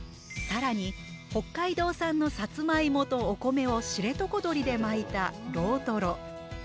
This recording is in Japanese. さらに、北海道産のさつまいもとお米を知床鶏で巻いたロートロ。